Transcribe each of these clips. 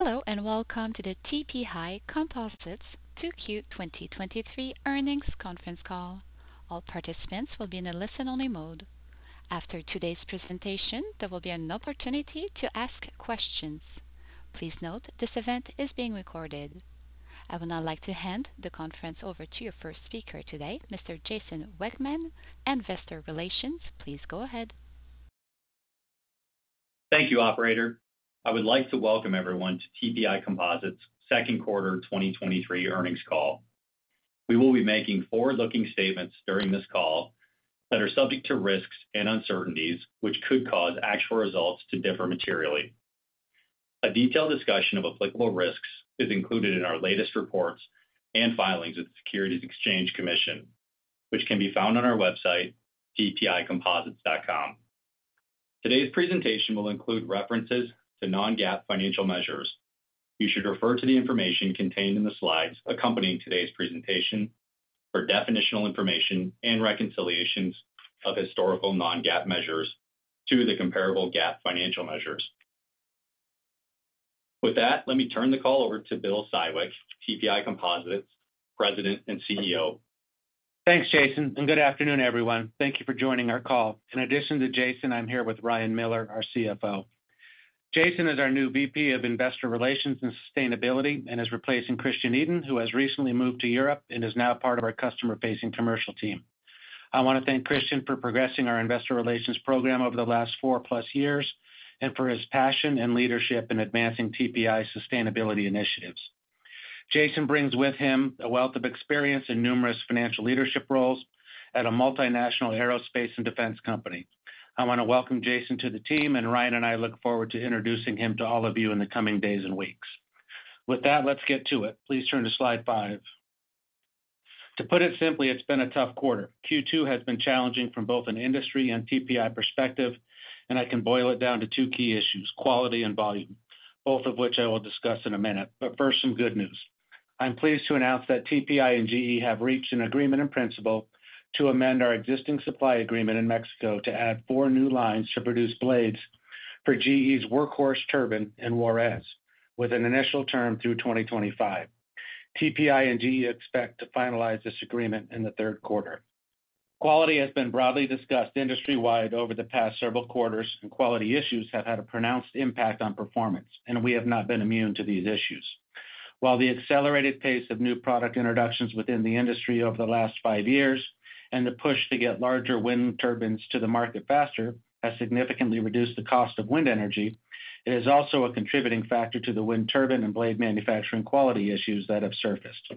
Hello, and welcome to the TPI Composites 2Q 2023 earnings conference call. All participants will be in a listen-only mode. After today's presentation, there will be an opportunity to ask questions. Please note, this event is being recorded. I would now like to hand the conference over to your first speaker today, Mr. Jason Wegmann, Investor Relations. Please go ahead. Thank you, operator. I would like to welcome everyone to TPI Composites second quarter 2023 earnings call. We will be making forward-looking statements during this call that are subject to risks and uncertainties, which could cause actual results to differ materially. A detailed discussion of applicable risks is included in our latest reports and filings with the Securities and Exchange Commission, which can be found on our website, tpicomposites.com. Today's presentation will include references to non-GAAP financial measures. You should refer to the information contained in the slides accompanying today's presentation for definitional information and reconciliations of historical non-GAAP measures to the comparable GAAP financial measures. With that, let me turn the call over to Bill Siwek, TPI Composites President and CEO. Thanks, Jason. Good afternoon, everyone. Thank you for joining our call. In addition to Jason, I'm here with Ryan Miller, our CFO. Jason is our new VP of Investor Relations and Sustainability and is replacing Christian Edin, who has recently moved to Europe and is now part of our customer-facing commercial team. I want to thank Christian for progressing our investor relations program over the last four plus years, and for his passion and leadership in advancing TPI sustainability initiatives. Jason brings with him a wealth of experience in numerous financial leadership roles at a multinational aerospace and defense company. I want to welcome Jason to the team. Ryan and I look forward to introducing him to all of you in the coming days and weeks. With that, let's get to it. Please turn to slide five. To put it simply, it's been a tough quarter. Q2 has been challenging from both an industry and TPI perspective, and I can boil it down to two key issues, quality and volume, both of which I will discuss in a minute. First, some good news. I'm pleased to announce that TPI and GE have reached an agreement in principle to amend our existing supply agreement in Mexico to add four new lines to produce blades for GE's workhorse turbine in Juarez, with an initial term through 2025. TPI and GE expect to finalize this agreement in the third quarter. Quality has been broadly discussed industry-wide over the past several quarters, and quality issues have had a pronounced impact on performance, and we have not been immune to these issues. While the accelerated pace of new product introductions within the industry over the last five years and the push to get larger wind turbines to the market faster has significantly reduced the cost of wind energy, it is also a contributing factor to the wind turbine and blade manufacturing quality issues that have surfaced.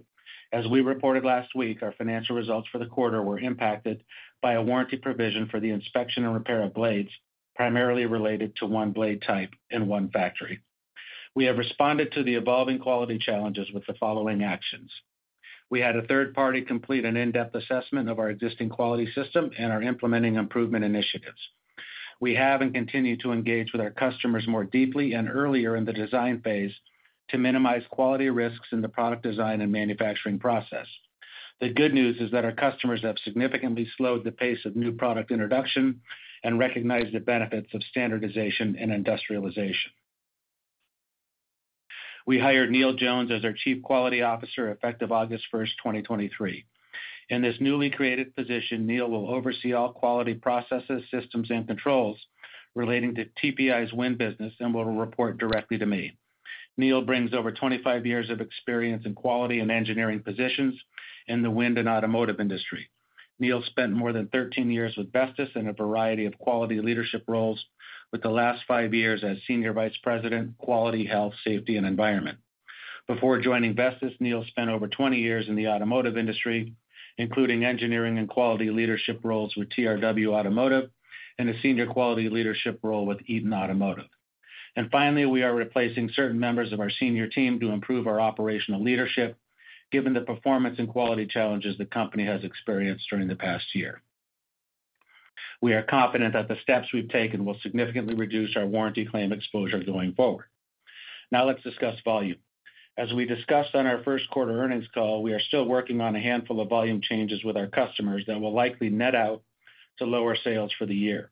As we reported last week, our financial results for the quarter were impacted by a warranty provision for the inspection and repair of blades, primarily related to one blade type in one factory. We have responded to the evolving quality challenges with the following actions. We had a third party complete an in-depth assessment of our existing quality system and are implementing improvement initiatives. We have and continue to engage with our customers more deeply and earlier in the design phase to minimize quality risks in the product design and manufacturing process. The good news is that our customers have significantly slowed the pace of new product introduction and recognize the benefits of standardization and industrialization. We hired Neil Jones as our Chief Quality Officer, effective August first, 2023. In this newly created position, Neil will oversee all quality processes, systems, and controls relating to TPI's wind business and will report directly to me. Neil brings over 25 years of experience in quality and engineering positions in the wind and automotive industry. Neil spent more than 13 years with Vestas in a variety of quality leadership roles, with the last five years as Senior Vice President, Quality, Health, Safety, and Environment. Before joining Vestas, Neil spent over 20 years in the automotive industry, including engineering and quality leadership roles with TRW Automotive and a senior quality leadership role with Eaton Automotive. Finally, we are replacing certain members of our senior team to improve our operational leadership, given the performance and quality challenges the company has experienced during the past year. We are confident that the steps we've taken will significantly reduce our warranty claim exposure going forward. Now let's discuss volume. As we discussed on our first quarter earnings call, we are still working on a handful of volume changes with our customers that will likely net out to lower sales for the year.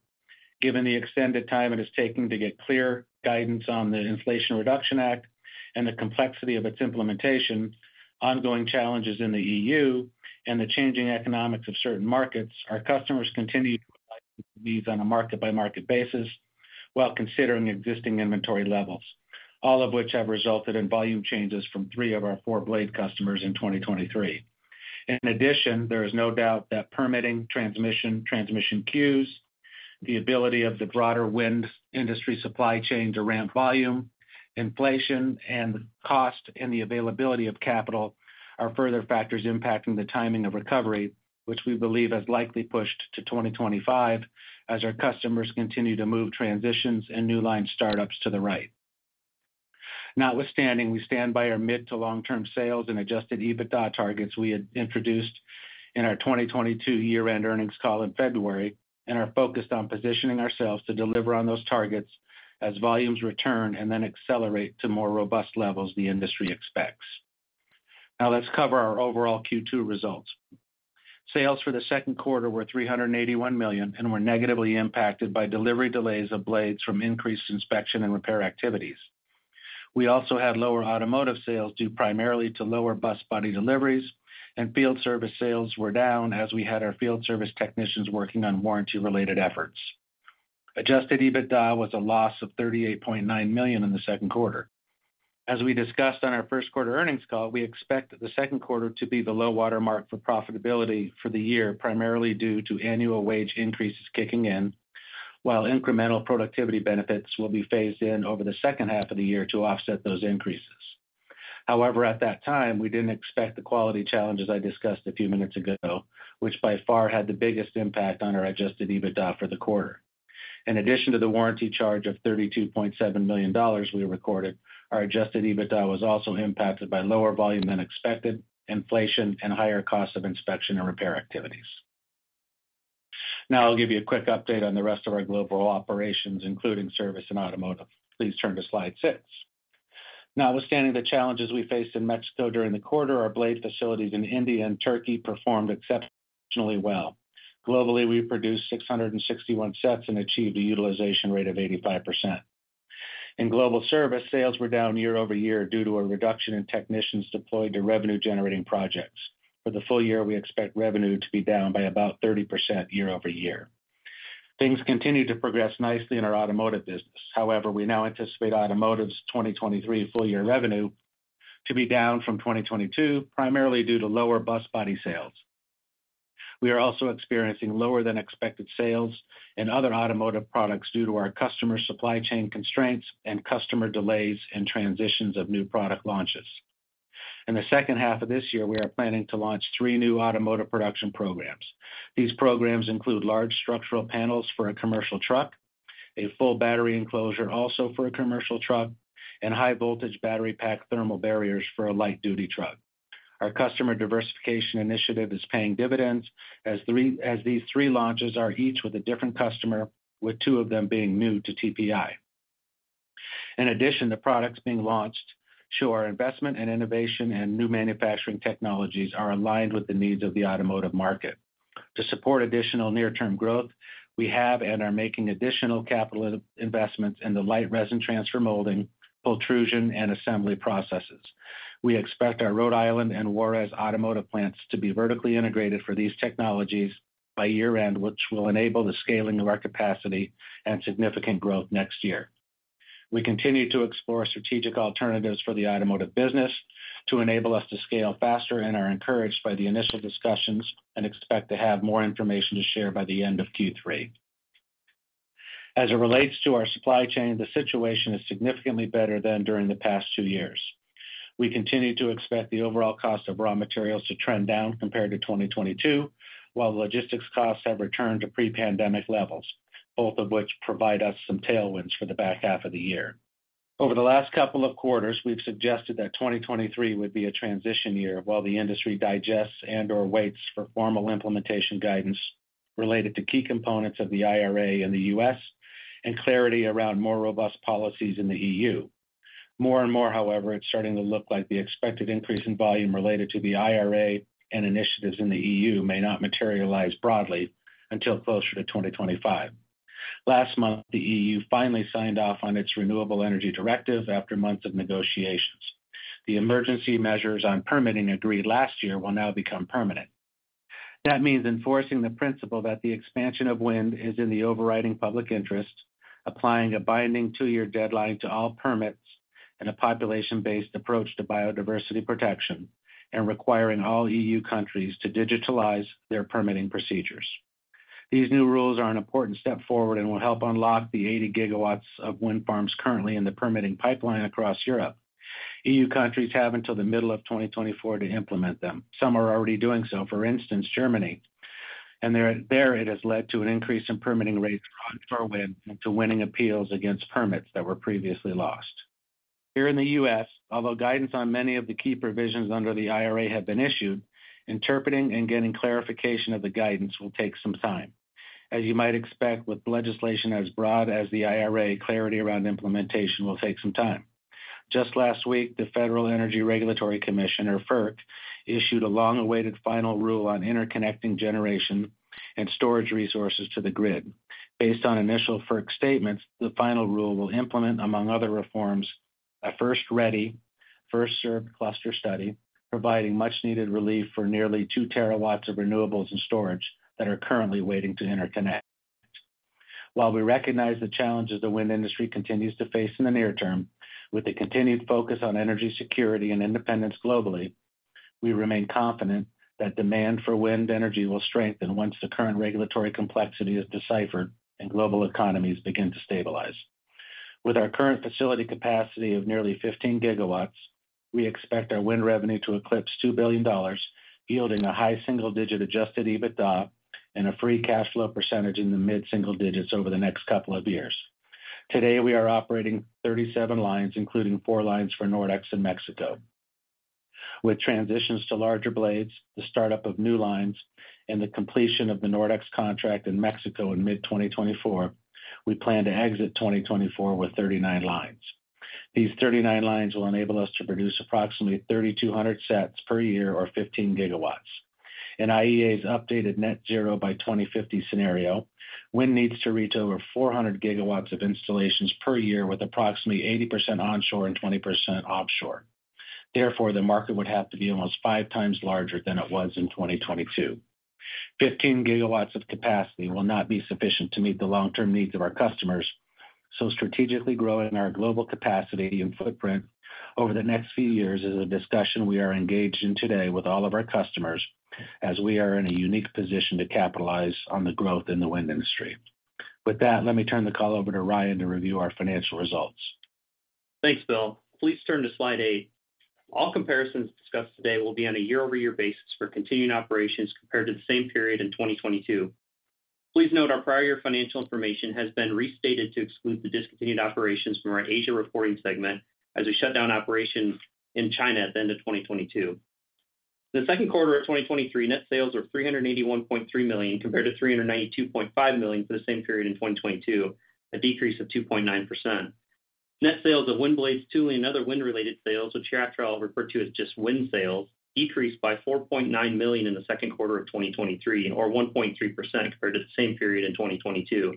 Given the extended time it is taking to get clear guidance on the Inflation Reduction Act and the complexity of its implementation, ongoing challenges in the EU, and the changing economics of certain markets, our customers continue to these on a market-by-market basis while considering existing inventory levels, all of which have resulted in volume changes from three of our four blade customers in 2023. In addition, there is no doubt that permitting transmission, transmission queues, the ability of the broader wind industry supply chain to ramp volume, inflation, and cost, and the availability of capital are further factors impacting the timing of recovery, which we believe has likely pushed to 2025 as our customers continue to move transitions and new line startups to the right. Notwithstanding, we stand by our mid to long-term sales and Adjusted EBITDA targets we had introduced in our 2022 year-end earnings call in February, and are focused on positioning ourselves to deliver on those targets as volumes return and then accelerate to more robust levels the industry expects. Now let's cover our overall Q2 results. Sales for the second quarter were $381 million, and were negatively impacted by delivery delays of blades from increased inspection and repair activities. We also had lower automotive sales, due primarily to lower bus body deliveries, and field service sales were down as we had our field service technicians working on warranty-related efforts. Adjusted EBITDA was a loss of $38.9 million in the second quarter. As we discussed on our first quarter earnings call, we expect the second quarter to be the low water mark for profitability for the year, primarily due to annual wage increases kicking in, while incremental productivity benefits will be phased in over the second half of the year to offset those increases. At that time, we didn't expect the quality challenges I discussed a few minutes ago, which by far had the biggest impact on our Adjusted EBITDA for the quarter. In addition to the warranty charge of $32.7 million we recorded, our Adjusted EBITDA was also impacted by lower volume than expected, inflation, and higher costs of inspection and repair activities. I'll give you a quick update on the rest of our global operations, including service and automotive. Please turn to slide six. Notwithstanding the challenges we faced in Mexico during the quarter, our blade facilities in India and Turkey performed exceptionally well. Globally, we produced 661 sets and achieved a utilization rate of 85%. In global service, sales were down year-over-year due to a reduction in technicians deployed to revenue-generating projects. For the full year, we expect revenue to be down by about 30% year-over-year. Things continue to progress nicely in our automotive business. We now anticipate automotive's 2023 full year revenue to be down from 2022, primarily due to lower bus body sales. We are also experiencing lower than expected sales in other automotive products due to our customer supply chain constraints and customer delays in transitions of new product launches. In the second half of this year, we are planning to launch three new automotive production programs. These programs include large structural panels for a commercial truck, a full battery enclosure also for a commercial truck, and high voltage battery pack thermal barriers for a light duty truck. Our customer diversification initiative is paying dividends as these three launches are each with a different customer, with two of them being new to TPI. In addition, the products being launched show our investment in innovation and new manufacturing technologies are aligned with the needs of the automotive market. To support additional near-term growth, we have and are making additional capital investments in the light resin transfer molding, pultrusion, and assembly processes. We expect our Rhode Island and Juarez automotive plants to be vertically integrated for these technologies by year-end, which will enable the scaling of our capacity and significant growth next year. We continue to explore strategic alternatives for the automotive business to enable us to scale faster, and are encouraged by the initial discussions, and expect to have more information to share by the end of Q3. As it relates to our supply chain, the situation is significantly better than during the past two years. We continue to expect the overall cost of raw materials to trend down compared to 2022, while the logistics costs have returned to pre-pandemic levels, both of which provide us some tailwinds for the back half of the year. Over the last couple of quarters, we've suggested that 2023 would be a transition year while the industry digests and/or waits for formal implementation guidance related to key components of the IRA in the U.S. and clarity around more robust policies in the EU. More and more, however, it's starting to look like the expected increase in volume related to the IRA and initiatives in the EU may not materialize broadly until closer to 2025. Last month, the EU finally signed off on its Renewable Energy Directive after months of negotiations. The emergency measures on permitting agreed last year will now become permanent. That means enforcing the principle that the expansion of wind is in the overriding public interest, applying a binding two-year deadline to all permits, and a population-based approach to biodiversity protection, and requiring all EU countries to digitalize their permitting procedures. These new rules are an important step forward and will help unlock the 80 GW of wind farms currently in the permitting pipeline across Europe. EU countries have until the middle of 2024 to implement them. Some are already doing so, for instance, Germany, and there, it has led to an increase in permitting rates for wind and to winning appeals against permits that were previously lost. Here in the U.S., although guidance on many of the key provisions under the IRA have been issued, interpreting and getting clarification of the guidance will take some time. As you might expect, with legislation as broad as the IRA, clarity around implementation will take some time. Just last week, the Federal Energy Regulatory Commissioner, FERC, issued a long-awaited final rule on interconnecting generation and storage resources to the grid. Based on initial FERC statements, the final rule will implement, among other reforms, a first-ready, first-served cluster study, providing much needed relief for nearly 2 TW of renewables and storage that are currently waiting to interconnect. While we recognize the challenges the wind industry continues to face in the near term, with a continued focus on energy security and independence globally, we remain confident that demand for wind energy will strengthen once the current regulatory complexity is deciphered and global economies begin to stabilize. With our current facility capacity of nearly 15 GW, we expect our wind revenue to eclipse $2 billion, yielding a high single-digit Adjusted EBITDA and a free cash flow percentage in the mid-single-digits over the next couple of years. Today, we are operating 37 lines, including four lines for Nordex in Mexico. With transitions to larger blades, the startup of new lines, and the completion of the Nordex contract in Mexico in mid 2024. We plan to exit 2024 with 39 lines. These 39 lines will enable us to produce approximately 3,200 sets per year or 15 GW. In IEA's updated Net Zero by 2050 scenario, wind needs to reach over 400 GW of installations per year, with approximately 80% onshore and 20% offshore. Therefore, the market would have to be almost 5x larger than it was in 2022. 15 GW of capacity will not be sufficient to meet the long-term needs of our customers. Strategically growing our global capacity and footprint over the next few years is a discussion we are engaged in today with all of our customers, as we are in a unique position to capitalize on the growth in the wind industry. With that, let me turn the call over to Ryan to review our financial results. Thanks, Bill. Please turn to slide eight. All comparisons discussed today will be on a year-over-year basis for continuing operations compared to the same period in 2022. Please note, our prior year financial information has been restated to exclude the discontinued operations from our Asia reporting segment, as we shut down operations in China at the end of 2022. The second quarter of 2023, net sales were $381.3 million, compared to $392.5 million for the same period in 2022, a decrease of 2.9%. Net sales of wind blades, tooling, and other wind-related sales, which hereafter I'll refer to as just wind sales, decreased by $4.9 million in the second quarter of 2023, or 1.3% compared to the same period in 2022.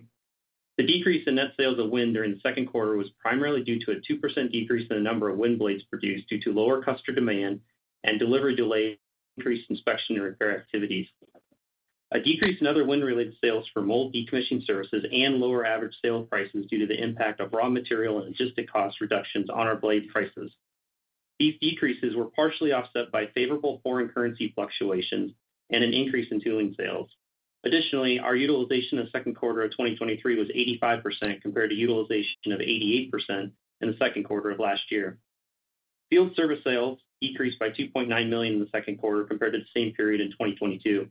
The decrease in net sales of wind during the second quarter was primarily due to a 2% decrease in the number of wind blades produced due to lower customer demand and delivery delays, increased inspection and repair activities. A decrease in other wind-related sales from old decommissioning services and lower average sales prices due to the impact of raw material and logistic cost reductions on our blade prices. These decreases were partially offset by favorable foreign currency fluctuations and an increase in tooling sales. Additionally, our utilization of second quarter of 2023 was 85%, compared to utilization of 88% in the second quarter of last year. Field service sales decreased by $2.9 million in the second quarter compared to the same period in 2022.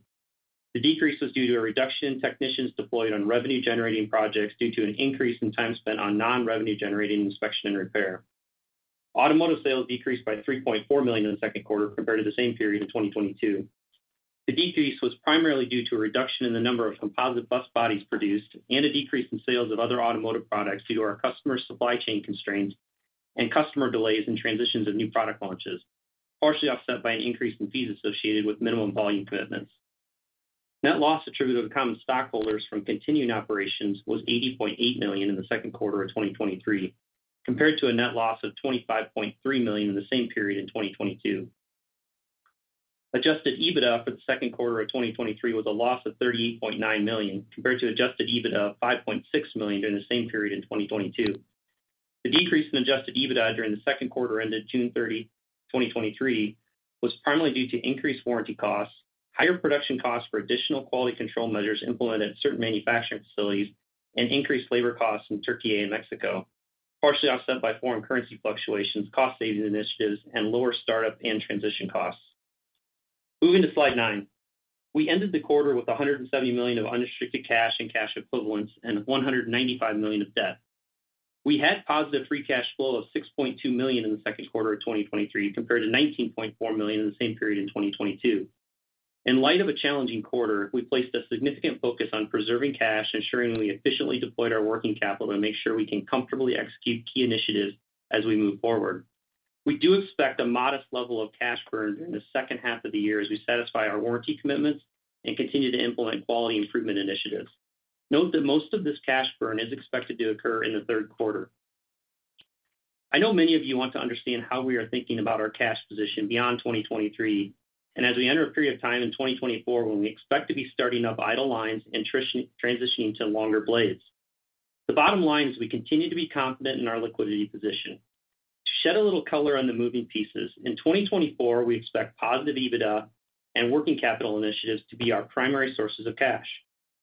The decrease was due to a reduction in technicians deployed on revenue-generating projects due to an increase in time spent on non-revenue generating inspection and repair. Automotive sales decreased by $3.4 million in the second quarter compared to the same period in 2022. The decrease was primarily due to a reduction in the number of composite bus bodies produced and a decrease in sales of other automotive products due to our customer supply chain constraints and customer delays in transitions of new product launches, partially offset by an increase in fees associated with minimum volume commitments. Net loss attributed to common stockholders from continuing operations was $80.8 million in the second quarter of 2023, compared to a net loss of $25.3 million in the same period in 2022. Adjusted EBITDA for the second quarter of 2023 was a loss of $38.9 million, compared to Adjusted EBITDA of $5.6 million during the same period in 2022. The decrease in Adjusted EBITDA during the second quarter ended June 30, 2023, was primarily due to increased warranty costs, higher production costs for additional quality control measures implemented at certain manufacturing facilities, and increased labor costs in Turkey and Mexico, partially offset by foreign currency fluctuations, cost savings initiatives, and lower startup and transition costs. Moving to slide nine. We ended the quarter with $170 million of unrestricted cash and cash equivalents, and $195 million of debt. We had positive free cash flow of $6.2 million in the second quarter of 2023, compared to $19.4 million in the same period in 2022. In light of a challenging quarter, we placed a significant focus on preserving cash, ensuring we efficiently deployed our working capital to make sure we can comfortably execute key initiatives as we move forward. We do expect a modest level of cash burn during the second half of the year as we satisfy our warranty commitments and continue to implement quality improvement initiatives. Note that most of this cash burn is expected to occur in the third quarter. I know many of you want to understand how we are thinking about our cash position beyond 2023, and as we enter a period of time in 2024 when we expect to be starting up idle lines and transitioning to longer blades. The bottom line is we continue to be confident in our liquidity position. To shed a little color on the moving pieces, in 2024, we expect positive EBITDA and working capital initiatives to be our primary sources of cash.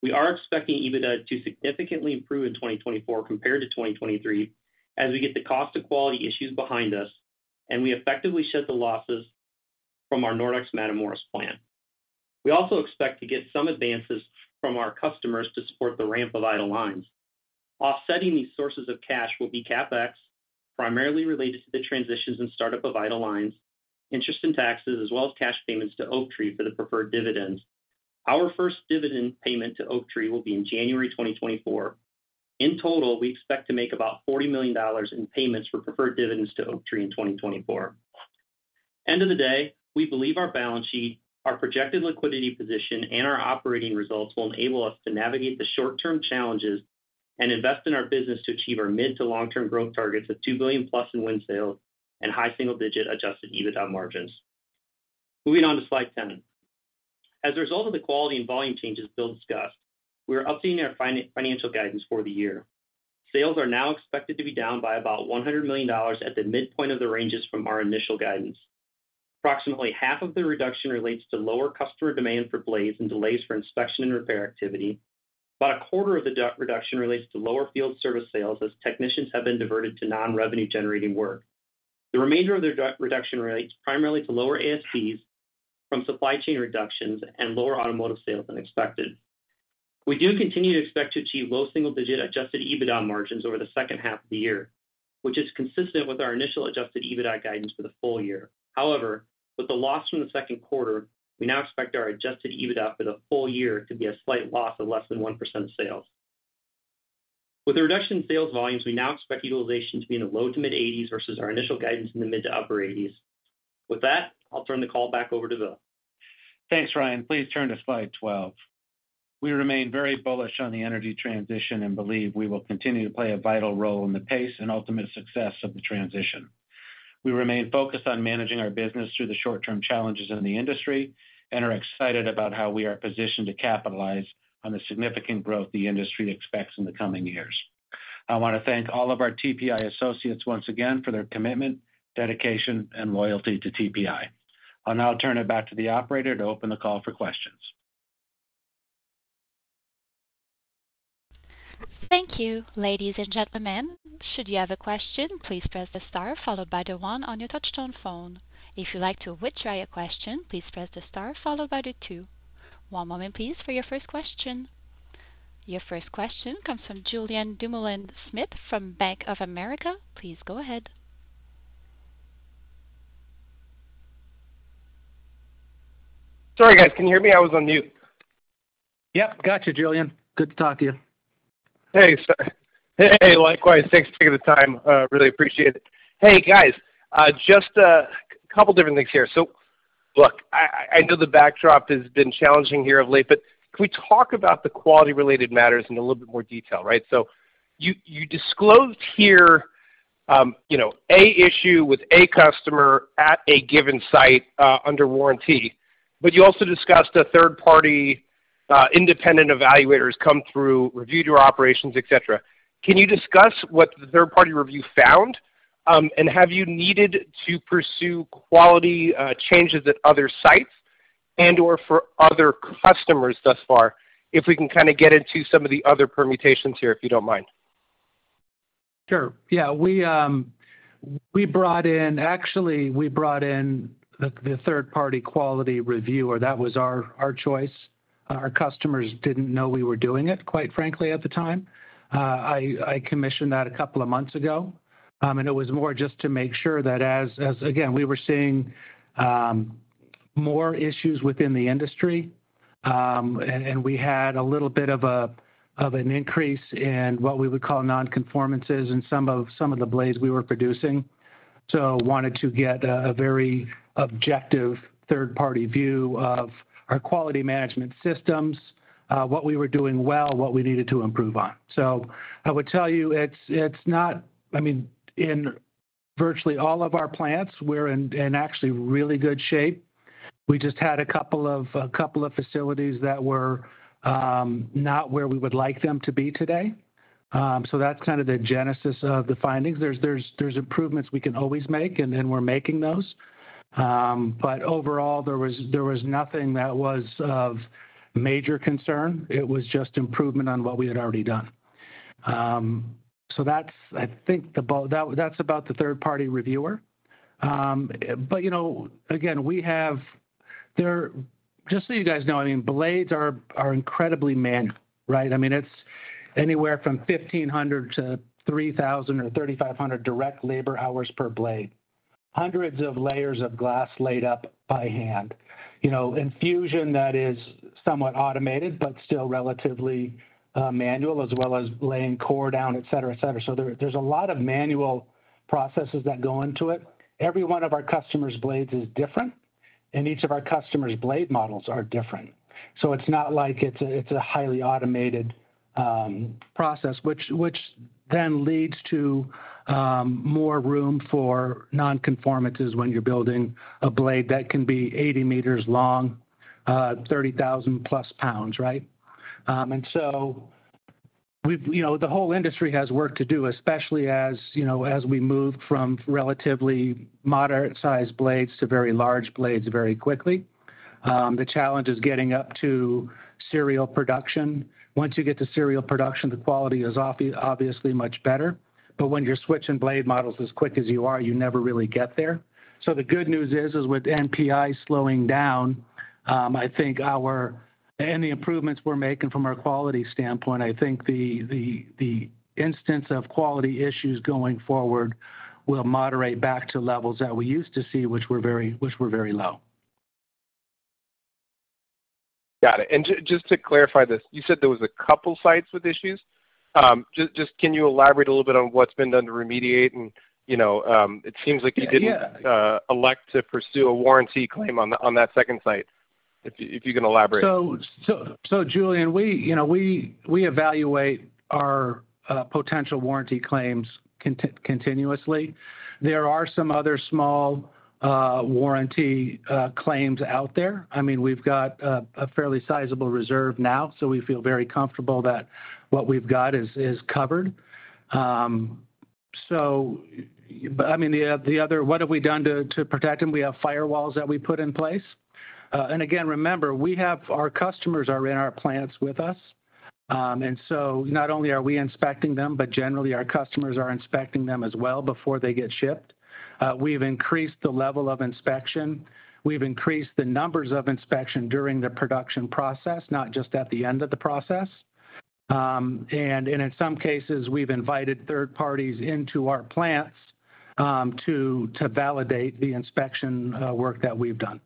We are expecting EBITDA to significantly improve in 2024 compared to 2023, as we get the cost of quality issues behind us, and we effectively shed the losses from our Nordex Matamoros plant. We also expect to get some advances from our customers to support the ramp of idle lines. Offsetting these sources of cash will be CapEx, primarily related to the transitions and startup of idle lines, interest and taxes, as well as cash payments to Oaktree for the preferred dividends. Our first dividend payment to Oaktree will be in January 2024. In total, we expect to make about $40 million in payments for preferred dividends to Oaktree in 2024. End of the day, we believe our balance sheet, our projected liquidity position, and our operating results will enable us to navigate the short-term challenges and invest in our business to achieve our mid to long-term growth targets of $2+ billion in wind sales and high single-digit Adjusted EBITDA margins. Moving on to slide 10. As a result of the quality and volume changes Bill discussed, we are updating our financial guidance for the year. Sales are now expected to be down by about $100 million at the midpoint of the ranges from our initial guidance. Approximately half of the reduction relates to lower customer demand for blades and delays for inspection and repair activity. About a quarter of the reduction relates to lower field service sales, as technicians have been diverted to non-revenue generating work. The remainder of the reduction relates primarily to lower ASPs from supply chain reductions and lower automotive sales than expected. We do continue to expect to achieve low single-digit Adjusted EBITDA margins over the second half of the year, which is consistent with our initial Adjusted EBITDA guidance for the full year. However, with the loss from the second quarter, we now expect our Adjusted EBITDA for the full year to be a slight loss of less than 1% of sales. With the reduction in sales volumes, we now expect utilization to be in the low to mid-80s, versus our initial guidance in the mid to upper 80s. With that, I'll turn the call back over to Bill. Thanks, Ryan. Please turn to slide 12. We remain very bullish on the energy transition and believe we will continue to play a vital role in the pace and ultimate success of the transition. We remain focused on managing our business through the short-term challenges in the industry and are excited about how we are positioned to capitalize on the significant growth the industry expects in the coming years. I want to thank all of our TPI associates once again for their commitment, dedication, and loyalty to TPI. I'll now turn it back to the operator to open the call for questions. Thank you. Ladies and gentlemen, should you have a question, please press the star followed by the one on your touchtone phone. If you'd like to withdraw your question, please press the star followed by the two. One moment please, for your first question. Your first question comes from Julien Dumoulin-Smith from Bank of America. Please go ahead. Sorry, guys. Can you hear me? I was on mute. Yep. Got you, Julien. Good to talk to you. Thanks. Hey, likewise, thanks for taking the time. Really appreciate it. Hey, guys, just a couple of different things here. Look, I, I know the backdrop has been challenging here of late, but can we talk about the quality-related matters in a little bit more detail, right? You disclosed here, you know, a issue with a customer at a given site, under warranty, but you also discussed a third-party independent evaluators come through, reviewed your operations, et cetera. Can you discuss what the third-party review found? And have you needed to pursue quality changes at other sites and/or for other customers thus far? If we can kind of get into some of the other permutations here, if you don't mind. Sure. Yeah, Actually, we brought in the third-party quality reviewer. That was our, our choice. Our customers didn't know we were doing it, quite frankly, at the time. I, I commissioned that a couple of months ago, and it was more just to make sure that as, as again, we were seeing more issues within the industry, and we had a little bit of a, of an increase in what we would call non-conformances in some of, some of the blades we were producing. Wanted to get a, a very objective third-party view of our quality management systems, what we were doing well, what we needed to improve on. I would tell you, not-- I mean, in virtually all of our plants, we're in actually really good shape. We just had a couple of, couple of facilities that were, not where we would like them to be today. So that's kind of the genesis of the findings. There's, there's, there's improvements we can always make, and then we're making those. Overall, there was, there was nothing that was of major concern. It was just improvement on what we had already done. So that's. I think about, that's about the third-party reviewer. But, you know, again, we have there, just so you guys know, I mean, blades are, are incredibly manual, right? I mean, it's anywhere from 1,500-3,000 or 3,500 direct labor hours per blade. Hundreds of layers of glass laid up by hand. You know, infusion that is somewhat automated, but still relatively, manual, as well as laying core down, et cetera, et cetera. There, there's a lot of manual processes that go into it. Every one of our customers' blades is different, and each of our customers' blade models are different. It's not like it's a, it's a highly automated process, which, which then leads to more room for non-conformances when you're building a blade that can be 80 m long, 30,000+ lbs, right? We've, you know, the whole industry has work to do, especially as, you know, as we move from relatively moderate-sized blades to very large blades very quickly. The challenge is getting up to serial production. Once you get to serial production, the quality is obviously much better, but when you're switching blade models as quick as you are, you never really get there. The good news is, is with NPI slowing down, and the improvements we're making from a quality standpoint, I think the, the, the instance of quality issues going forward will moderate back to levels that we used to see, which were very, which were very low. Got it. Just to clarify this, you said there was a couple sites with issues. Just can you elaborate a little bit on what's been done to remediate? You know, it seems like you didn't elect to pursue a warranty claim on the, on that second site, if you, if you can elaborate? Julien, we, you know, we, we evaluate our potential warranty claims continuously. There are some other small warranty claims out there. I mean, we've got a fairly sizable reserve now, so we feel very comfortable that what we've got is covered. I mean, the other, what have we done to protect them? We have firewalls that we put in place. Again, remember, we have our customers are in our plants with us. Not only are we inspecting them, generally, our customers are inspecting them as well before they get shipped. We've increased the level of inspection. We've increased the numbers of inspection during the production process, not just at the end of the process. In some cases, we've invited third parties into our plants, to, to validate the inspection, work that we've done.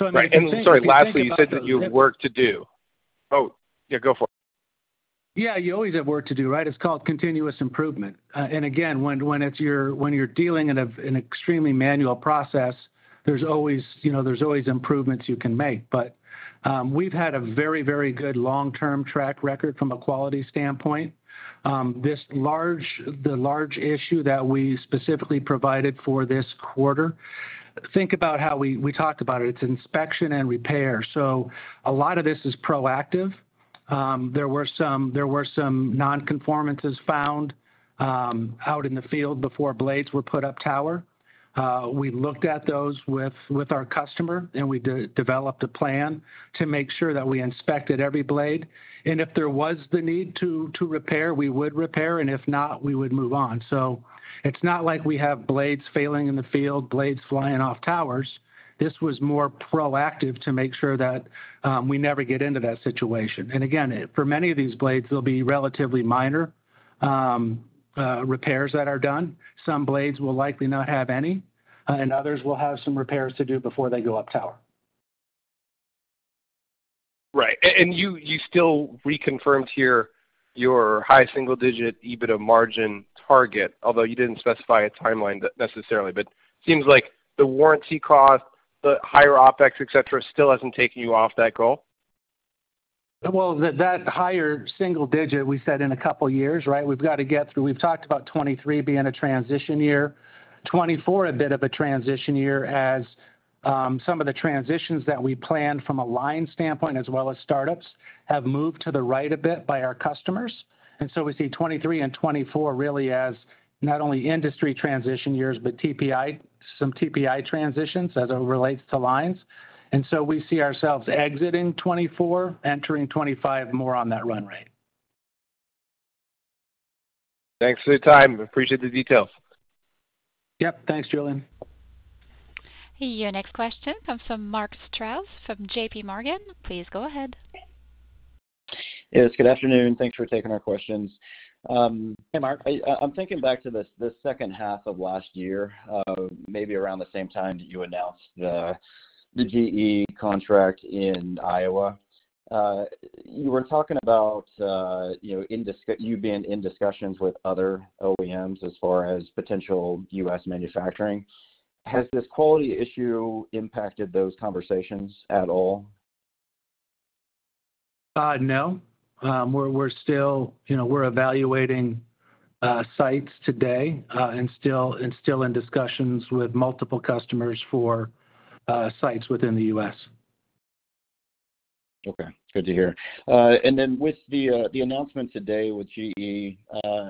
I mean. Right. Sorry, lastly, you said that you have work to do. Oh, yeah, go for it. Yeah, you always have work to do, right? It's called continuous improvement. Again, when you're dealing in a, an extremely manual process, there's always, you know, there's always improvements you can make. We've had a very, very good long-term track record from a quality standpoint. The large issue that we specifically provided for this quarter, think about how we, we talked about it. It's inspection and repair, so a lot of this is proactive. There were some, there were some non-conformances found, out in the field before blades were put up tower. We looked at those with, with our customer, and we developed a plan to make sure that we inspected every blade, and if there was the need to, to repair, we would repair, and if not, we would move on. It's not like we have blades failing in the field, blades flying off towers. This was more proactive to make sure that we never get into that situation. Again, for many of these blades, they'll be relatively minor repairs that are done. Some blades will likely not have any, and others will have some repairs to do before they go up tower. Right. You still reconfirmed here your high single-digit EBITDA margin target, although you didn't specify a timeline necessarily, but it seems like the warranty cost, the higher OpEx, etc., still hasn't taken you off that goal? Well, that, that higher single digit, we said in a couple of years, right? We've got to get through. We've talked about 2023 being a transition year, 2024 a bit of a transition year, as, some of the transitions that we planned from a line standpoint, as well as startups, have moved to the right a bit by our customers. We see 2023 and 2024 really as not only industry transition years, but TPI, some TPI transitions as it relates to lines. We see ourselves exiting 2024, entering 2025 more on that run rate. Thanks for your time. Appreciate the details. Yep. Thanks, Julian. Your next question comes from Mark Strouse from JPMorgan. Please go ahead. Yes, good afternoon. Thanks for taking our questions. Hey, Mark. I, I'm thinking back to the second half of last year, maybe around the same time that you announced the GE contract in Iowa. You were talking about, you know, you being in discussions with other OEMs as far as potential U.S. manufacturing. Has this quality issue impacted those conversations at all? No. We're, we're still, you know, we're evaluating, sites today, and still, and still in discussions with multiple customers for, sites within the U.S. Okay. Good to hear. Then with the announcement today with GE,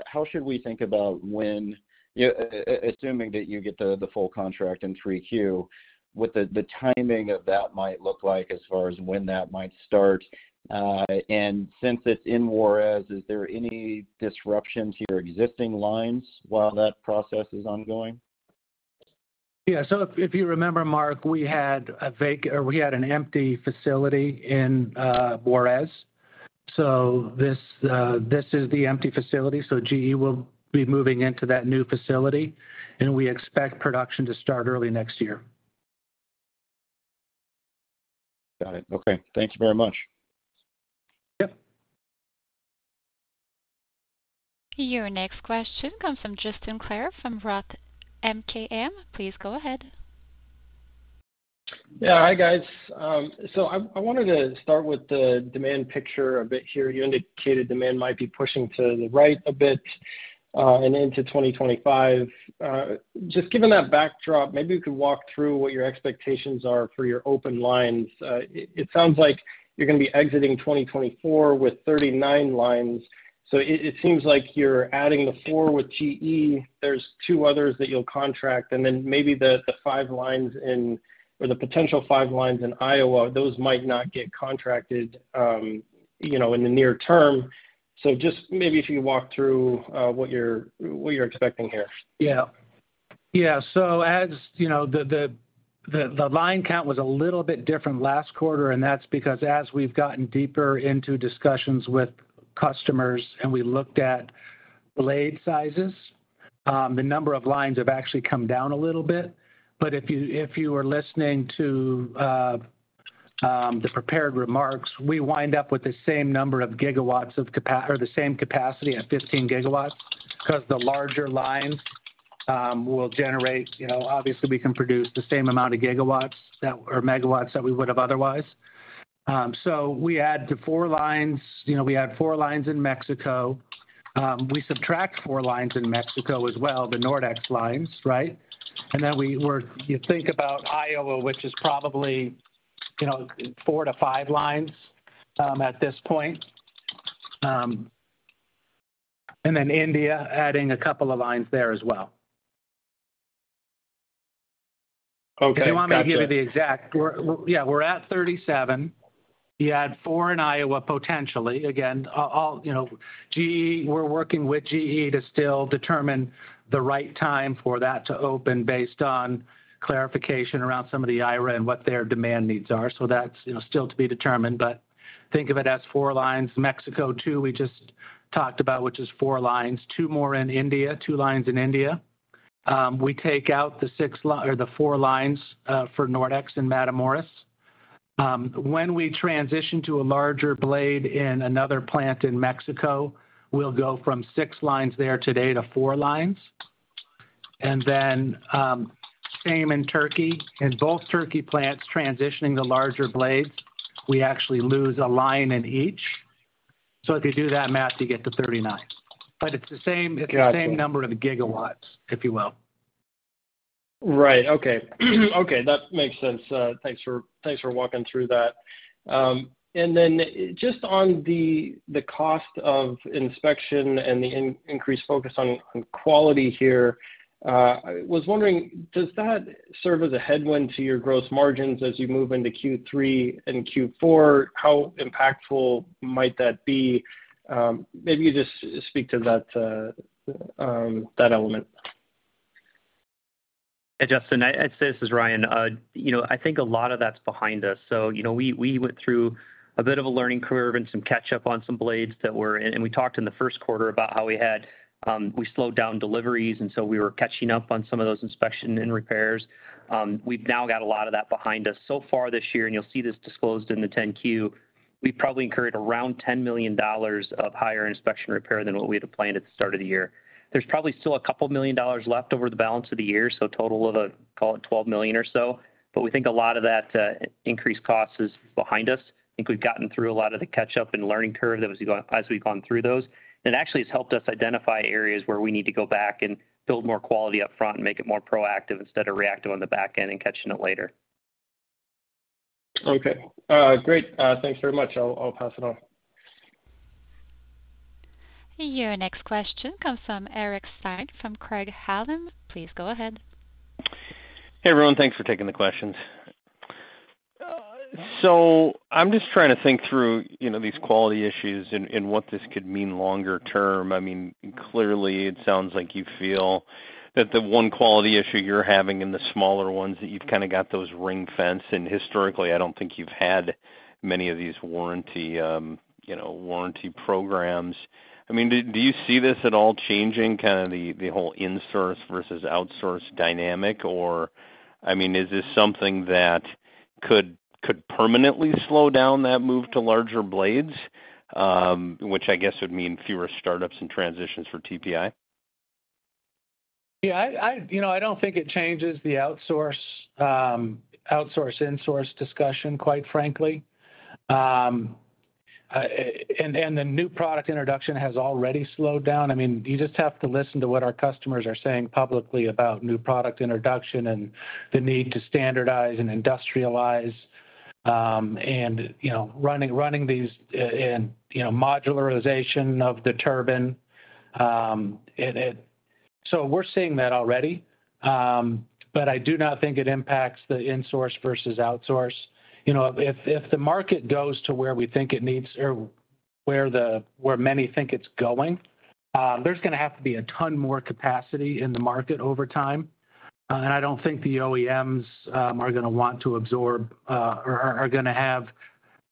how should we think about when, assuming that you get the, the full contract in 3Q, what the, the timing of that might look like as far as when that might start? Since it's in Juarez, is there any disruptions to your existing lines while that process is ongoing? Yeah. If, if you remember, Mark, we had an empty facility in Juarez. This is the empty facility, so GE will be moving into that new facility, and we expect production to start early next year. Got it. Okay. Thank you very much. Yep. Your next question comes from Justin Clare from ROTH MKM. Please go ahead. Yeah. Hi, guys. I, I wanted to start with the demand picture a bit here. You indicated demand might be pushing to the right a bit, and into 2025. Just given that backdrop, maybe you could walk through what your expectations are for your open lines. It, it sounds like you're gonna be exiting 2024 with 39 lines. It, it seems like you're adding the four with GE. There's two others that you'll contract, and then maybe the, the five lines in, or the potential five lines in Iowa, those might not get contracted, you know, in the near term. Just maybe if you walk through what you're, what you're expecting here. Yeah. Yeah. As you know, the, the, the, the line count was a little bit different last quarter, and that's because as we've gotten deeper into discussions with customers and we looked at blade sizes, the number of lines have actually come down a little bit. But if you, if you were listening to the prepared remarks, we wind up with the same number of gigawatts of capa- or the same capacity at 15 GW, because the larger lines will generate, you know, obviously, we can produce the same amount of gigawatts that or megawatts that we would have otherwise. We add the four lines, you know, we add four lines in Mexico. We subtract four lines in Mexico as well, the Nordex lines, right? We were, you think about Iowa, which is probably, you know, four to five lines at this point. India, adding 2 lines there as well. If you want me to give you the exact, we're, yeah, we're at 37. You add four in Iowa, potentially. Again, you know, GE, we're working with GE to still determine the right time for that to open based on clarification around some of the IRA and what their demand needs are. That's, you know, still to be determined, but think of it as four lines. Mexico, too, we just talked about, which is four lines, two more in India, two lines in India. We take out the six line-- or the four lines for Nordex in Matamoros. When we transition to a larger blade in another plant in Mexico, we'll go from six lines there today to four lines. Then, same in Turkey. In both Turkey plants, transitioning to larger blades, we actually lose a line in each. If you do that math, you get to 39. It's the same- Got you. It's the same number of gigawatts, if you will. Right. Okay. Okay, that makes sense. Thanks for, thanks for walking through that. And then just on the, the cost of inspection and the increased focus on, on quality here, I was wondering, does that serve as a headwind to your gross margins as you move into Q3 and Q4? How impactful might that be? Maybe you just speak to that, that element. Hey, Justin, I'd say this is Ryan. You know, I think a lot of that's behind us. You know, we, we went through a bit of a learning curve and some catch up on some blades that were... We talked in the first quarter about how we had, we slowed down deliveries, and so we were catching up on some of those inspection and repairs. We've now got a lot of that behind us. So far this year, and you'll see this disclosed in the 10-Q, we probably incurred around $10 million of higher inspection and repair than what we had planned at the start of the year. There's probably still $2 million left over the balance of the year, so a total of, call it $12 million or so. We think a lot of that increased cost is behind us. I think we've gotten through a lot of the catch-up and learning curve that was going, as we've gone through those. It actually has helped us identify areas where we need to go back and build more quality up front and make it more proactive instead of reactive on the back end and catching it later. Okay. great. thanks very much. I'll, I'll pass it on. Your next question comes from Eric Stine from Craig-Hallum. Please go ahead. Hey, everyone. Thanks for taking the questions. I'm just trying to think through, you know, these quality issues and, and what this could mean longer term. I mean, clearly, it sounds like you feel that the one quality issue you're having in the smaller ones, that you've kinda got those ring fenced. Historically, I don't think you've had many of these warranty, you know, warranty programs. I mean, do, do you see this at all changing kinda the, the whole in-source versus outsource dynamic? I mean, is this something that could, could permanently slow down that move to larger blades, which I guess would mean fewer startups and transitions for TPI? Yeah, I, I, you know, I don't think it changes the outsource, outsource, in-source discussion, quite frankly. The new product introduction has already slowed down. I mean, you just have to listen to what our customers are saying publicly about new product introduction and the need to standardize and industrialize, and, you know, running, running these, and, you know, modularization of the turbine. We're seeing that already, I do not think it impacts the in-source versus outsource. You know, if, if, the market goes to where we think it needs or where many think it's going, there's gonna have to be a ton more capacity in the market over time. I don't think the OEMs are gonna want to absorb or are gonna have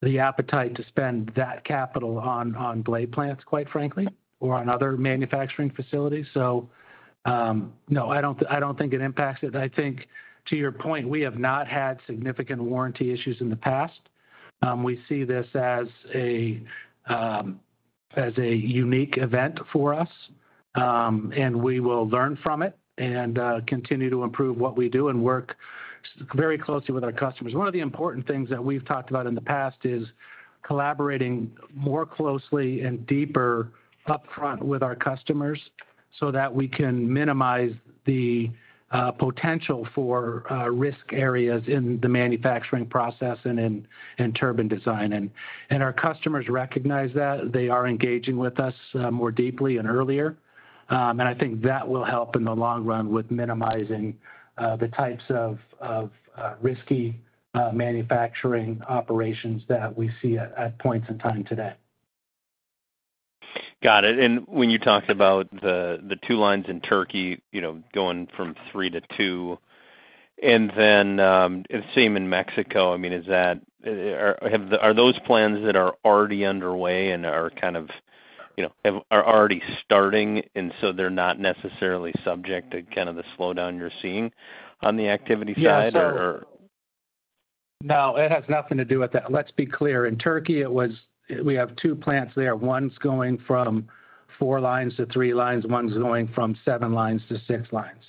the appetite to spend that capital on blade plants, quite frankly, or on other manufacturing facilities. No, I don't, I don't think it impacts it. I think to your point, we have not had significant warranty issues in the past. We see this as a unique event for us, and we will learn from it and continue to improve what we do and work very closely with our customers. One of the important things that we've talked about in the past is collaborating more closely and deeper up front with our customers, so that we can minimize the potential for risk areas in the manufacturing process and in turbine design. Our customers recognize that. They are engaging with us, more deeply and earlier. I think that will help in the long run with minimizing, the types of, of, risky, manufacturing operations that we see at, at points in time today. Got it. When you talked about the, the two lines in Turkey, you know, going from three to two, and then, the same in Mexico, I mean, are those plans that are already underway and are kind of, you know, are already starting, and so they're not necessarily subject to kind of the slowdown you're seeing on the activity side, or? No, it has nothing to do with that. Let's be clear. In Turkey, we have two plants there. One's going from four lines to three lines, one's going from seven lines to six lines.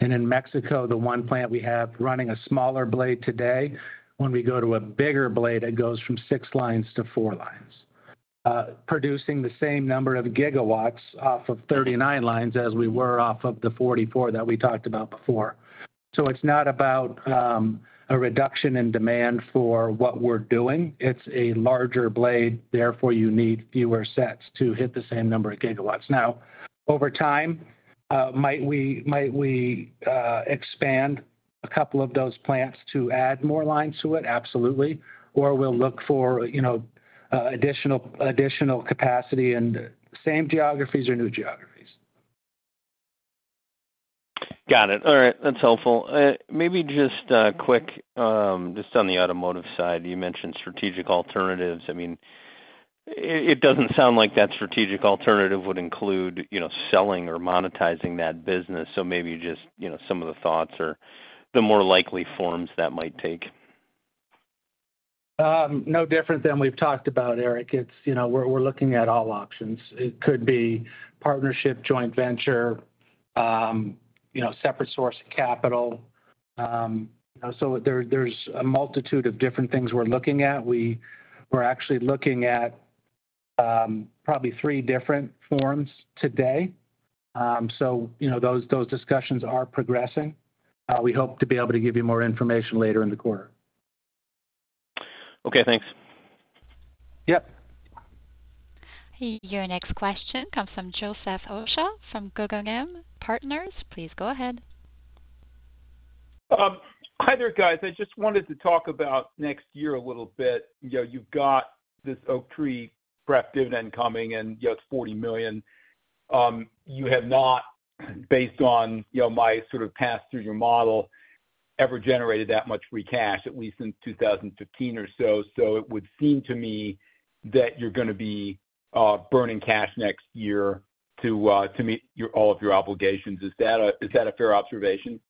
In Mexico, the one plant we have running a smaller blade today, when we go to a bigger blade, it goes from six lines to four lines, producing the same number of gigawatts off of 39 lines as we were off of the 44 that we talked about before. It's not about a reduction in demand for what we're doing. It's a larger blade, therefore, you need fewer sets to hit the same number of gigawatts. Now, over time, might we, might we expand a couple of those plants to add more lines to it? Absolutely. We'll look for, you know, additional, additional capacity in the same geographies or new geographies. Got it. All right, that's helpful. Maybe just quick, just on the automotive side, you mentioned strategic alternatives. I mean, it, it doesn't sound like that strategic alternative would include, you know, selling or monetizing that business. Maybe just, you know, some of the thoughts or the more likely forms that might take. No different than we've talked about, Eric. It's, you know, we're looking at all options. It could be partnership, joint venture, you know, separate source of capital. There's a multitude of different things we're looking at. We're actually looking at, probably three different forms today. You know, those, those discussions are progressing. We hope to be able to give you more information later in the quarter. Okay, thanks. Yep. Your next question comes from Joseph Osha from Guggenheim Partners. Please go ahead. Hi there, guys. I just wanted to talk about next year a little bit. You know, you've got this Oaktree prep dividend coming, and, you know, it's $40 million. You have not, based on, you know, my sort of pass through your model, ever generated that much free cash, at least since 2015 or so. It would seem to me that you're gonna be burning cash next year to meet all of your obligations. Is that a fair observation?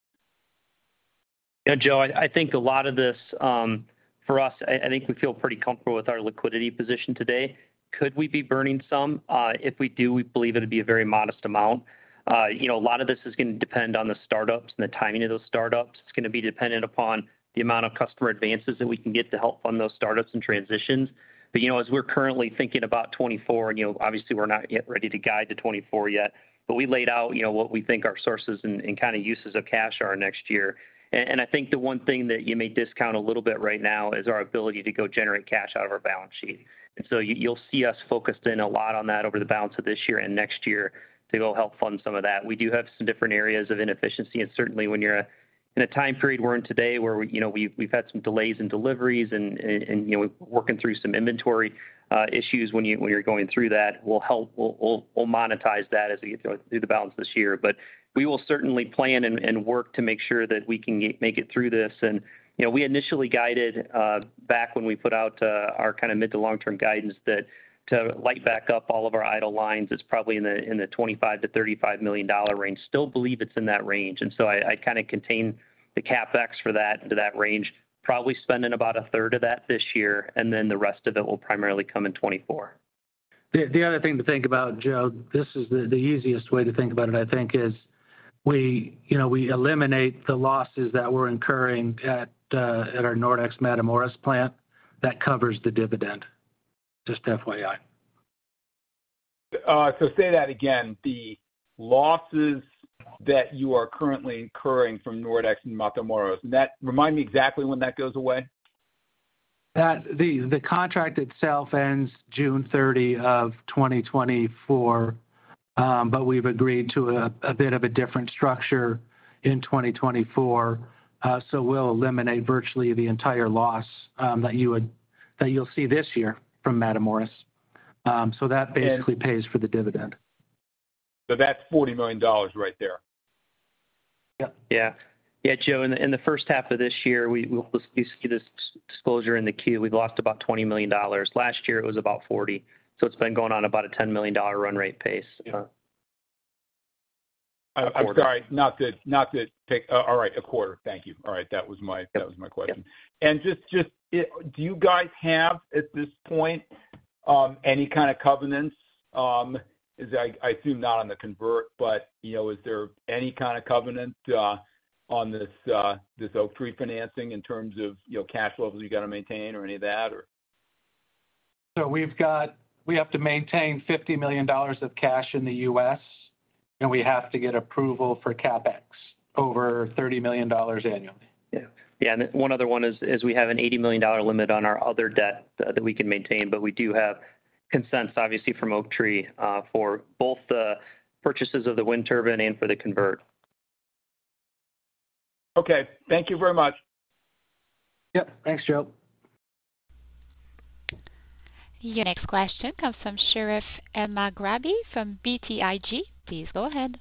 Yeah, Joe, I, I think a lot of this, for us, I, I think we feel pretty comfortable with our liquidity position today. Could we be burning some? If we do, we believe it'd be a very modest amount. You know, a lot of this is gonna depend on the startups and the timing of those startups. It's gonna be dependent upon the amount of customer advances that we can get to help fund those startups and transitions. You know, as we're currently thinking about 2024, and, you know, obviously, we're not yet ready to guide to 2024 yet, but we laid out, you know, what we think our sources and, and kinda uses of cash are next year. I think the one thing that you may discount a little bit right now is our ability to go generate cash out of our balance sheet. You'll see us focused in a lot on that over the balance of this year and next year to go help fund some of that. We do have some different areas of inefficiency, and certainly when you're in a time period we're in today, where we, you know, we've, we've had some delays in deliveries and, and, and, you know, working through some inventory issues, when you're going through that, we'll, we'll, we'll monetize that as we get, you know, through the balance this year. We will certainly plan and, and work to make sure that we can make it through this. you know, we initially guided back when we put out our kinda mid to long-term guidance, that to light back up all of our idle lines is probably in the $25 million-$35 million range. Still believe it's in that range, and so I, I kinda contain the CapEx for that into that range, probably spending about a third of that this year, and then the rest of it will primarily come in 2024. The, the other thing to think about, Joe, this is the, the easiest way to think about it, I think, is we, you know, we eliminate the losses that we're incurring at at our Nordex Matamoros plant. That covers the dividend, just FYI. Say that again, the losses that you are currently incurring from Nordex and Matamoros, and that. Remind me exactly when that goes away? The contract itself ends June 30, 2024. We've agreed to a bit of a different structure in 2024. We'll eliminate virtually the entire loss that you'll see this year from Matamoros. That basically- And- ...pays for the dividend. That's $40 million right there? Yep. Yeah. Yeah, Joe, in the, in the first half of this year, we, we'll you see this disclosure in the Q, we've lost about $20 million. Last year, it was about $40 million, so it's been going on about a $10 million run rate pace. Yeah. I'm sorry, not to take, all right, a quarter. Thank you. All right. That was my, that was my question. Yep. Just, just, do you guys have, at this point, any kind of covenants? I, I assume not on the convert, but, you know, is there any kind of covenant on this Oaktree financing in terms of, you know, cash levels you got to maintain or any of that, or? We have to maintain $50 million of cash in the U.S., and we have to get approval for CapEx over $30 million annually. Yeah, yeah, one other one is, is we have an $80 million limit on our other debt that we can maintain, but we do have consents, obviously, from Oaktree for both the purchases of the wind turbine and for the convert. Okay. Thank you very much. Yep. Thanks, Joe. Your next question comes from Sherif Elmaghrabi from BTIG. Please go ahead.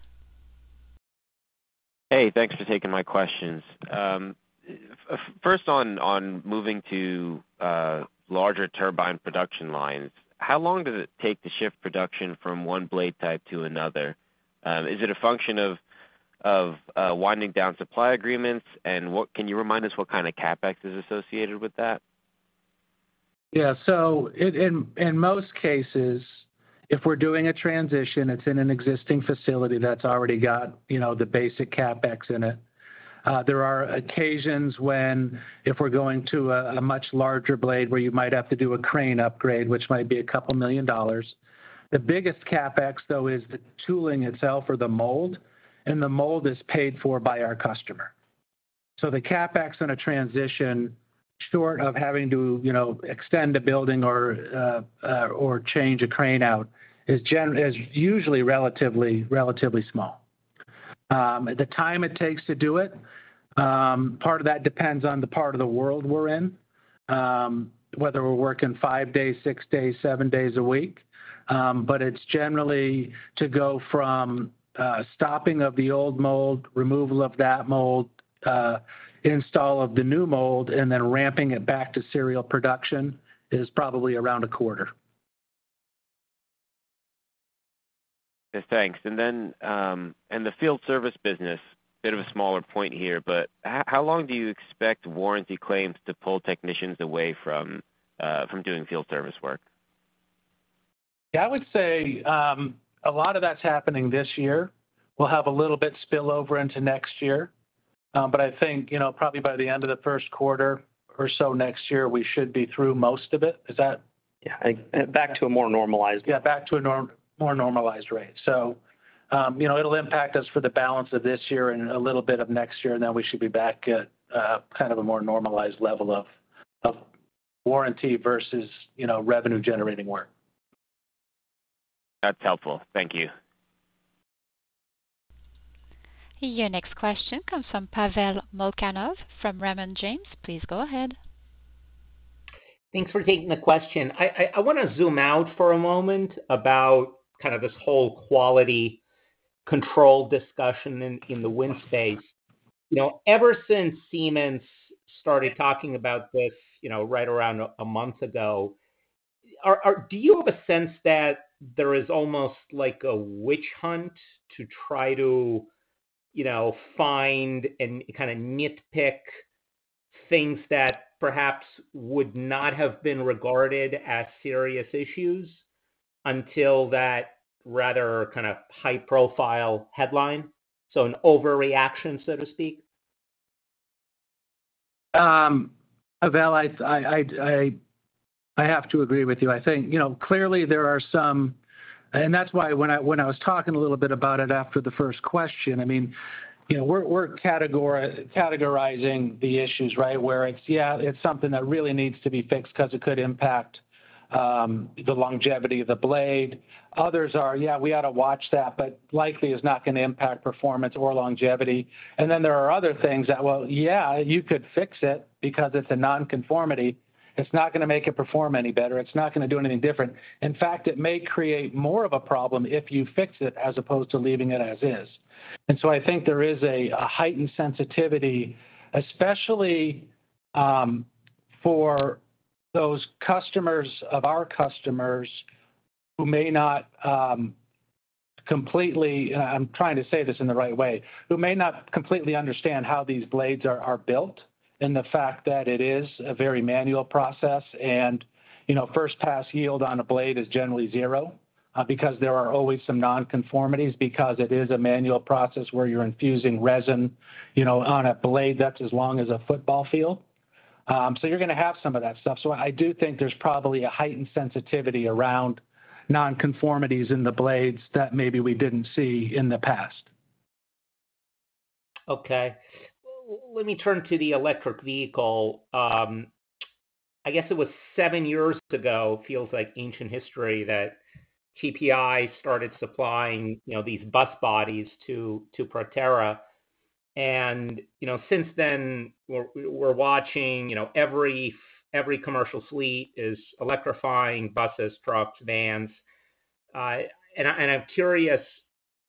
Hey, thanks for taking my questions. first on, on moving to larger turbine production lines, how long does it take to shift production from one blade type to another? is it a function of, of winding down supply agreements? What can you remind us what kind of CapEx is associated with that? Yeah. In most cases, if we're doing a transition, it's in an existing facility that's already got, you know, the basic CapEx in it. There are occasions when, if we're going to a much larger blade, where you might have to do a crane upgrade, which might be $2 million. The biggest CapEx, though, is the tooling itself or the mold, and the mold is paid for by our customer. The CapEx on a transition short of having to, you know, extend a building or change a crane out is usually relatively, relatively small. The time it takes to do it, part of that depends on the part of the world we're in, whether we're working five days, six days, seven days a week. It's generally to go from stopping of the old mold, removal of that mold, install of the new mold, and then ramping it back to serial production, is probably around a quarter. Yes, thanks. In the field service business, bit of a smaller point here, but how, how long do you expect warranty claims to pull technicians away from, from doing field service work? Yeah, I would say, a lot of that's happening this year. We'll have a little bit spill over into next year. I think, you know, probably by the end of the first quarter or so next year, we should be through most of it. Is that... Yeah, back to a more normalized. Yeah, back to a more normalized rate. You know, it'll impact us for the balance of this year and a little bit of next year, and then we should be back at, kind of a more normalized level of, of warranty versus, you know, revenue-generating work. That's helpful. Thank you. Your next question comes from Pavel Molchanov, from Raymond James. Please go ahead. Thanks for taking the question. I wanna zoom out for a moment about kind of this whole quality control discussion in, in the wind space. You know, ever since Siemens started talking about this, you know, right around a month ago, do you have a sense that there is almost like a witch hunt to try to, you know, find and kinda nitpick things that perhaps would not have been regarded as serious issues until that rather kind of high-profile headline, so an overreaction, so to speak? Pavel, I have to agree with you. I think, you know, clearly there are some. That's why when I, when I was talking a little bit about it after the first question, I mean, you know, we're categorizing the issues, right? Where it's, yeah, it's something that really needs to be fixed 'cause it could impact the longevity of the blade. Others are, yeah, we ought to watch that, but likely is not gonna impact performance or longevity. Then there are other things that, well, yeah, you could fix it because it's a nonconformity. It's not gonna make it perform any better. It's not gonna do anything different. In fact, it may create more of a problem if you fix it as opposed to leaving it as is. I think there is a, a heightened sensitivity, especially for those customers of our customers who may not completely, I'm trying to say this in the right way, who may not completely understand how these blades are, are built, and the fact that it is a very manual process. You know, first pass yield on a blade is generally zero because there are always some nonconformities because it is a manual process where you're infusing resin, you know, on a blade that's as long as a football field. You're gonna have some of that stuff. I do think there's probably a heightened sensitivity around nonconformities in the blades that maybe we didn't see in the past. Okay. Well, let me turn to the electric vehicle. I guess it was seven years ago, feels like ancient history, that TPI started supplying, you know, these bus bodies to Proterra. You know, since then, we're watching, you know, every commercial fleet is electrifying buses, trucks, vans. I'm curious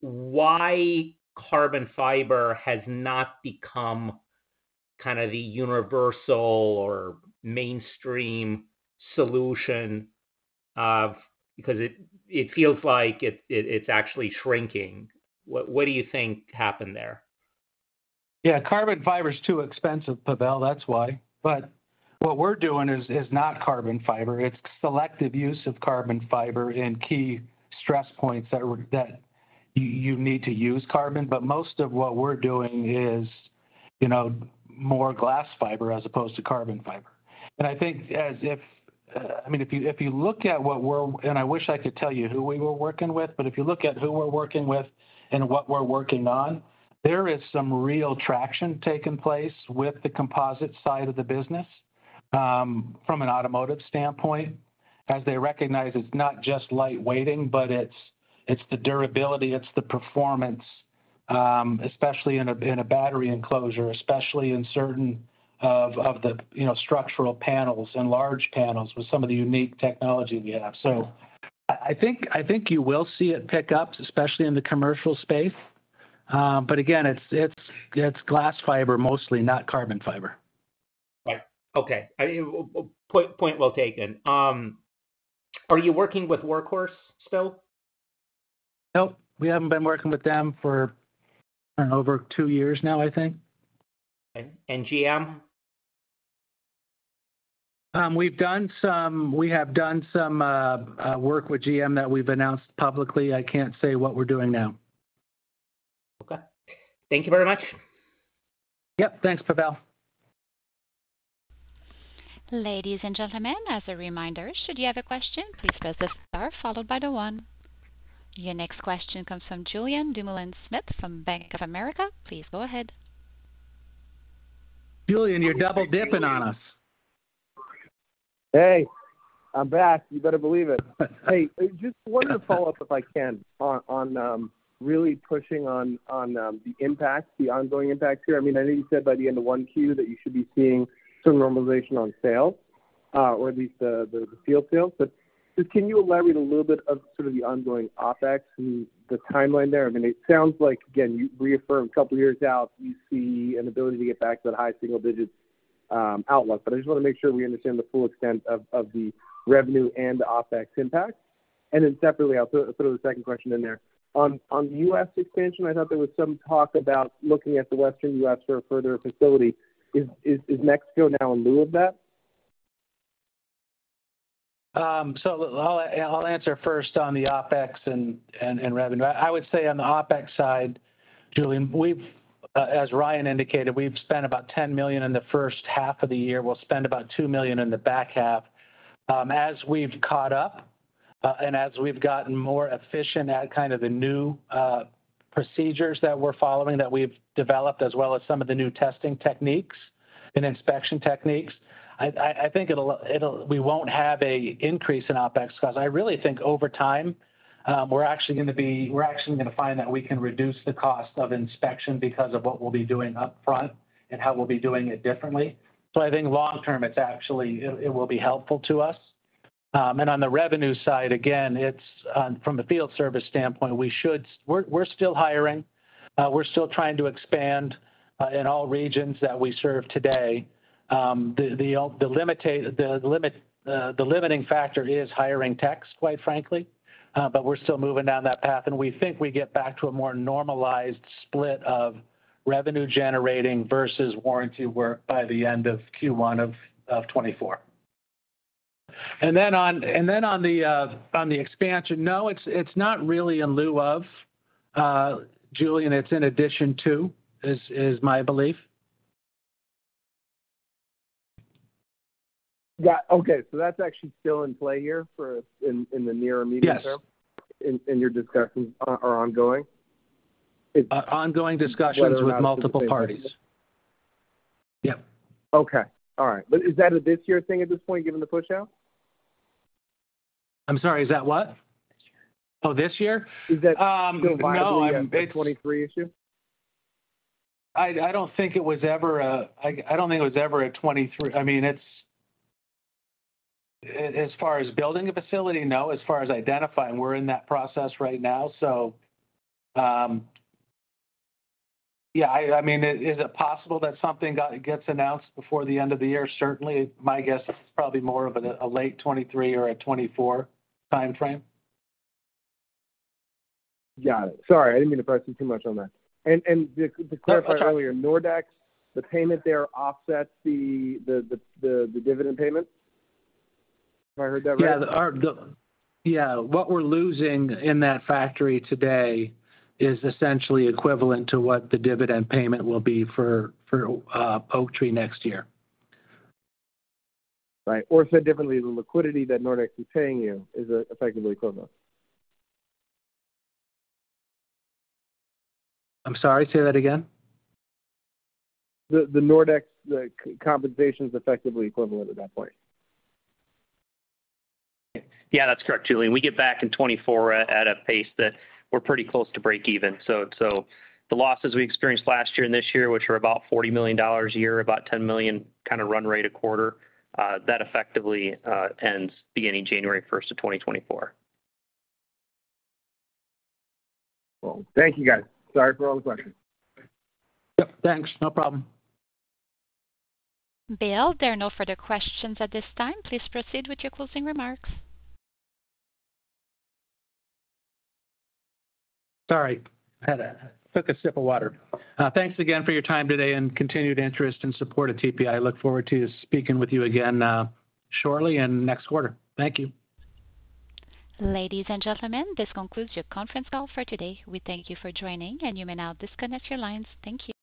why carbon fiber has not become kind of the universal or mainstream solution of, because it feels like it's actually shrinking. What do you think happened there? Yeah, carbon fiber is too expensive, Pavel, that's why. What we're doing is, is not carbon fiber, it's selective use of carbon fiber in key stress points that you, you need to use carbon. Most of what we're doing is, you know, more glass fiber as opposed to carbon fiber. I think as if, I mean, if you, if you look at what we're-- and I wish I could tell you who we were working with, but if you look at who we're working with and what we're working on, there is some real traction taking place with the composite side of the business from an automotive standpoint, as they recognize it's not just lightweighting, but it's, it's the durability, it's the performance, especially in a battery enclosure, especially in certain of, of the, you know, structural panels and large panels with some of the unique technology we have. I, I think, I think you will see it pick up, especially in the commercial space. But again, it's, it's, it's glass fiber mostly, not carbon fiber. Right. Okay. Point, point well taken. Are you working with Workhorse still? Nope. We haven't been working with them for over two years now, I think. GM? We have done some work with GM that we've announced publicly. I can't say what we're doing now. Okay. Thank you very much. Yep. Thanks, Pavel. Ladies and gentlemen, as a reminder, should you have a question, please press star followed by the one. Your next question comes from Julien Dumoulin-Smith from Bank of America. Please go ahead. Julian, you're double-dipping on us. Hey, I'm back. You better believe it. Hey, just wanted to follow up, if I can, on, on, really pushing on, on, the impact, the ongoing impact here. I mean, I know you said by the end of 1Q that you should be seeing some normalization on sales, or at least the, the field sales. Just can you elaborate a little bit of sort of the ongoing OpEx and the timeline there? I mean, it sounds like, again, you reaffirmed two years out, you see an ability to get back to that high single digits outlook. I just want to make sure we understand the full extent of, of the revenue and the OpEx impact. Then separately, I'll throw, throw the second question in there. On the U.S. expansion, I thought there was some talk about looking at the Western U.S. for a further facility. Is Mexico now in lieu of that? I'll, I'll answer first on the OpEx and, and, and revenue. I would say on the OpEx side, Julian, we've as Ryan indicated, we've spent about $10 million in the first half of the year. We'll spend about $2 million in the back half. As we've caught up and as we've gotten more efficient at kind of the new procedures that we're following, that we've developed, as well as some of the new testing techniques and inspection techniques, I think it'll we won't have a increase in OpEx costs. I really think over time, we're actually going to find that we can reduce the cost of inspection because of what we'll be doing upfront and how we'll be doing it differently. I think long term, it's actually, it, it will be helpful to us. And on the revenue side, again, it's from a field service standpoint, we're, we're still hiring. We're still trying to expand in all regions that we serve today. The limiting factor is hiring techs, quite frankly. But we're still moving down that path, and we think we get back to a more normalized split of revenue generating versus warranty work by the end of Q1 of 2024. On, and then on the, on the expansion, no, it's, it's not really in lieu of Julian, it's in addition to, is, is my belief. Yeah. Okay. That's actually still in play here for in, in the near or medium term? Yes. And your discussions are ongoing? Ongoing discussions with multiple parties. Yep. Okay. All right. Is that a this year thing at this point, given the push out? I'm sorry, is that what? Oh, this year? Is that- No. a 2023 issue? I, I don't think it was ever a. I, I don't think it was ever a 2023. I mean, it's, as far as building a facility, no. As far as identifying, we're in that process right now. Yeah, I, I mean, is it possible that something gets announced before the end of the year? Certainly. My guess is probably more of a, a late 2023 or a 2024 timeframe. Got it. Sorry, I didn't mean to press you too much on that. To clarify earlier, Nordex, the payment there offsets the dividend payment? If I heard that right. Yeah. Yeah, what we're losing in that factory today is essentially equivalent to what the dividend payment will be for, for Oaktree next year. Right. Or said differently, the liquidity that Nordex is paying you is effectively equivalent. I'm sorry, say that again? The Nordex, the compensation is effectively equivalent at that point. Yeah, that's correct, Julian. We get back in 2024 at a pace that we're pretty close to break even. The losses we experienced last year and this year, which are about $40 million a year, about $10 million kind of run rate a quarter, that effectively ends beginning January 1, 2024. Cool. Thank you, guys. Sorry for all the questions. Yep, thanks. No problem. Bill, there are no further questions at this time. Please proceed with your closing remarks. Sorry, had took a sip of water. Thanks again for your time today and continued interest and support of TPI. I look forward to speaking with you again, shortly and next quarter. Thank you. Ladies and gentlemen, this concludes your conference call for today. We thank you for joining, and you may now disconnect your lines. Thank you.